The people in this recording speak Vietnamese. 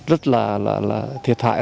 rất là thiệt hại